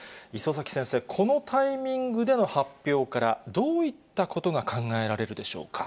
礒崎先生、このタイミングでの発表からどういったことが考えられるでしょう